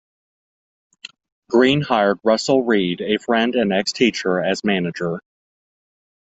Green hired Russel Reade, a friend and ex-teacher, as manager.